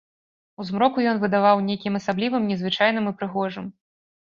У змроку ён выдаваў нейкім асаблівым, незвычайным і прыгожым.